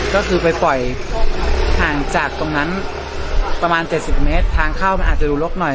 ก็คือไปปล่อยห่างจากตรงนั้นประมาณ๗๐เมตรทางเข้ามันอาจจะดูลกหน่อย